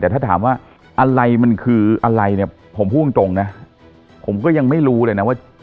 แต่ถ้าถามว่าอะไรมันคืออะไรเนี่ยผมพูดตรงนะผมก็ยังไม่รู้เลยนะว่า